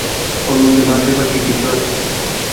ওর মধ্যে বাদ দেবার কি কিছু আছে?